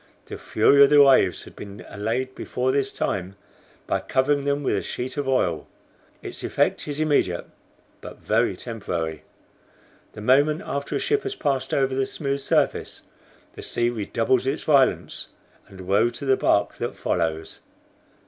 The fury of the waves had been allayed before this time by covering them with a sheet of oil. Its effect is immediate, but very temporary. The moment after a ship has passed over the smooth surface, the sea redoubles its violence, and woe to the bark that follows.